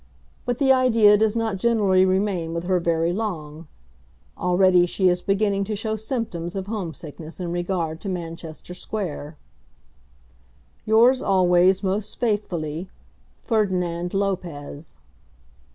But the idea does not generally remain with her very long. Already she is beginning to show symptoms of home sickness in regard to Manchester Square. Yours always most faithfully, FERDINAND LOPEZ.